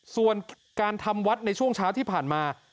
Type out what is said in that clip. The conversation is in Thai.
ส่วนการทำวัดในช่วงเช้าที่ผ่านมา